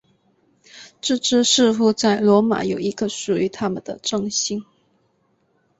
这支似乎在罗马有一个属于他们的中心。